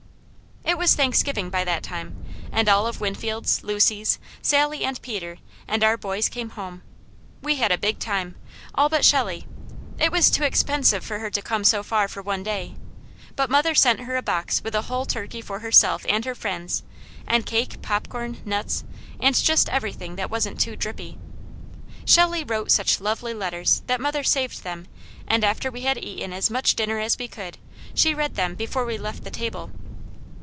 It was Thanksgiving by that time, and all of Winfield's, Lucy's, Sally and Peter, and our boys came home. We had a big time, all but Shelley; it was too expensive for her to come so far for one day, but mother sent her a box with a whole turkey for herself and her friends; and cake, popcorn, nuts, and just everything that wasn't too drippy. Shelley wrote such lovely letters that mother saved them and after we had eaten as much dinner as we could, she read them before we left the table.